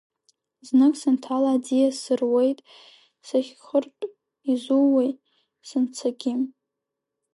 Знык санҭала аӡиас сыруеит, сахьхәыртә изуеи, санцагьы.